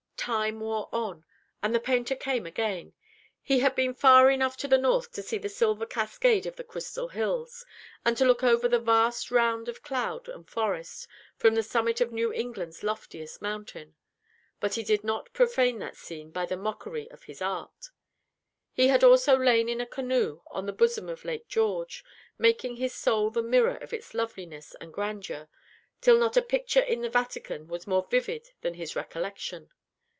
Time wore on; and the painter came again. He had been far enough to the north to see the silver cascade of the Crystal Hills, and to look over the vast round of cloud and forest, from the summit of New England's loftiest mountain. But he did not profane that scene by the mockery of his art. He had also lain in a canoe on the bosom of Lake George, making his soul the mirror of its loveliness and grandeur, till not a picture in the Vatican was more vivid than his recollection.